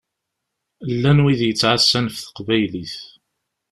Llan wid yettɛassan ɣef teqbaylit.